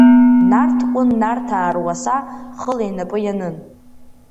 Нарҭ Кәын Нарҭаа руаса хыла инапы ианын.